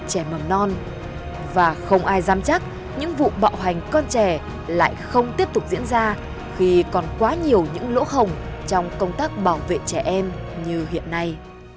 trẻ mầm non và không ai dám chắc những vụ bạo hành con trẻ lại không tiếp tục diễn ra khi còn quá nhiều những lỗ hồng trong công tác bảo vệ trẻ em như hiện nay